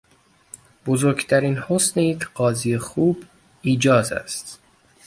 بزرگترین حسن یک قاضی خوب ایجاز است.